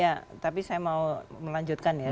ya tapi saya mau melanjutkan ya